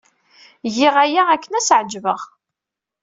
Giɣ aya akken ad as-ɛejbeɣ.